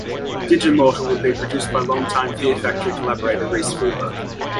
"Digimortal" would be produced by longtime Fear Factory collaborator Rhys Fulber.